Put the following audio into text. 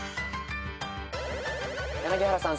柳原さん